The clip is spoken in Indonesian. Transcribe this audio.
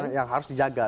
nah itu yang harus dijaga